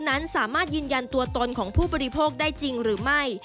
นั้นสามารถยืนยันตัวตนของผู้บริโภคได้จริงหรือไม่